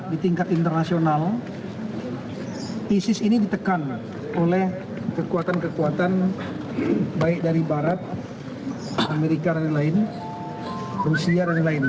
di tingkat internasional isis ini ditekan oleh kekuatan kekuatan baik dari barat amerika dan lain lain rusia dan lain lain